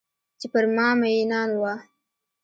چې پر ما میینان وه